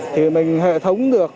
thì mình hệ thống được